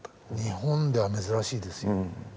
日本では珍しいですよ。